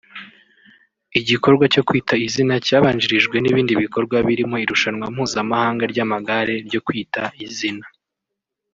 Igikorwa cyo Kwita Izina cyabanjirijwe n’ibindi bikorwa birimo irushanwa mpuzamahanga ry’amagare ryo Kwita Izina